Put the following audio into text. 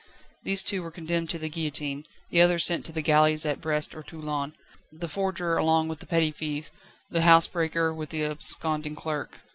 These two were condemned to the guillotine, the others sent to the galleys at Brest or Toulon the forger along with the petty thief, the housebreaker with the absconding clerk.